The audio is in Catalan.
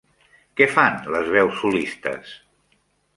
Què fan les veus solistes?